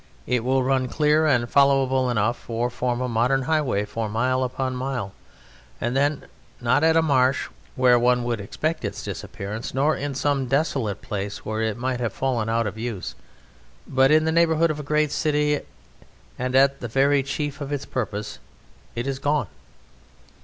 It will run clear and followable enough, or form a modern highway for mile upon mile, and then not at a marsh where one would expect its disappearance, nor in some desolate place where it might have fallen out of use, but in the neighbourhood of a great city and at the very chief of its purpose, it is gone.